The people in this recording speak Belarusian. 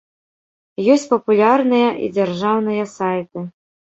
Ёсць папулярныя і дзяржаўныя сайты.